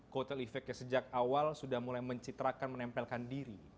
kotel efek yang sejak awal sudah mulai mencitrakan menempelkan diri